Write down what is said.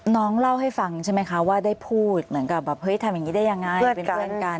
น้องเล่าให้ฟังใช่ไหมคะว่าได้พูดเหมือนกับแบบเฮ้ยทำอย่างนี้ได้ยังไงเป็นเพื่อนกัน